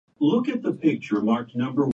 う ｍ ぬ ｊｎ